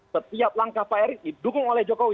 setiap langkah pak erick di dukung oleh jokowi